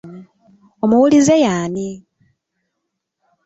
Omuwulize y'ani?